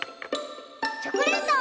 チョコレート！